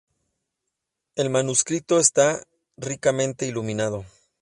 El manuscrito está ricamente iluminado.